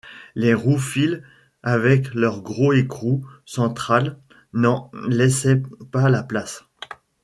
Les roues fils avec leur gros écrou central n’en laissaient pas la place.